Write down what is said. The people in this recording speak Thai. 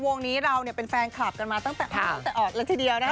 วงนี้เราเป็นแฟนคลับกันมาตั้งแต่อ๋อตั้งแต่อ๋อละทีเดียวนะ